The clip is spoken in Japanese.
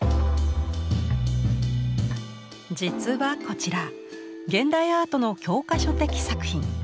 実はこちら現代アートの教科書的作品。